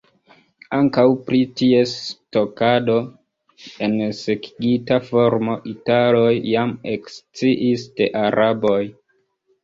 Ankaŭ pri ties stokado en sekigita formo, italoj jam eksciis de araboj.